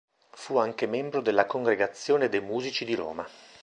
Fu anche membro della Congregazione de' musici di Roma.